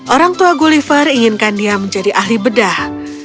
orang tua gulliver inginkan dia menjadi ahli bedah